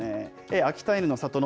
秋田犬の里の